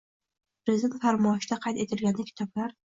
Prezident farmoyishida qayd etilganidek, kitoblar